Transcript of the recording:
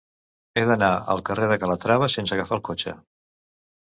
He d'anar al carrer de Calatrava sense agafar el cotxe.